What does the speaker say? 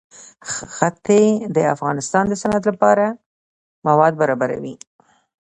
ښتې د افغانستان د صنعت لپاره مواد برابروي.